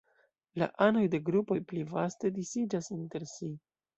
La anoj de grupoj pli vaste disiĝas inter si.